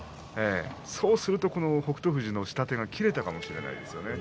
そうするとこの北勝富士の下手が切れたかもしれないですよね